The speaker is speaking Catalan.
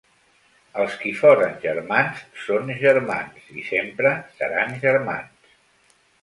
Els qui foren germans, són germans, i sempre seran germans.